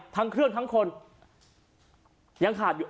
ทั้งเครื่องทั้งคนยังขาดอยู่